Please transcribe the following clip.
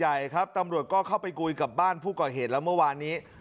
ใหญ่ครับตำรวจก็เข้าไปคุยกับบ้านผู้ก่อเหตุแล้วเมื่อวานนี้